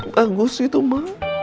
bagus itu ma